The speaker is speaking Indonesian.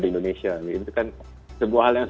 di indonesia itu kan sebuah hal yang